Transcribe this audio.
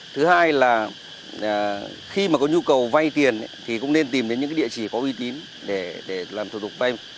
thứ hai là khi mà có nhu cầu vay tiền thì cũng nên tìm đến những địa chỉ có uy tín để làm thủ tục vay